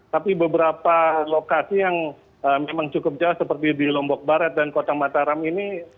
tapi beberapa lokasi yang memang cukup jauh seperti di lombok barat dan kota mataram ini